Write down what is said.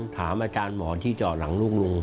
ถามอาจารย์หมอที่เจาะหลังลูกลุง